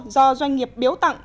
do doanh nghiệp biếu tặng